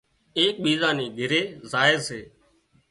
ايڪ ٻيزان ني گھري زائي سي